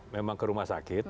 memang ke rumah sakit